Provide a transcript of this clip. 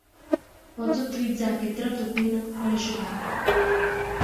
Pots utilitzar aquest drap de cuina per a eixugar-te.